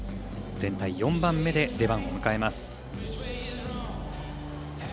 全体４番目で出番を迎えます。